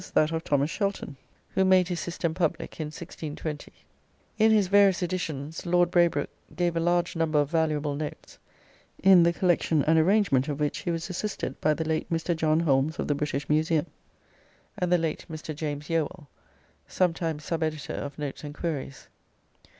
that of Thomas Shelton, who made his system public in 1620. In his various editions Lord Braybrooke gave a large number of valuable notes, in the collection and arrangement of which he was assisted by the late Mr. John Holmes of the British Museum, and the late Mr. James Yeowell, sometime sub editor of "Notes and Queries."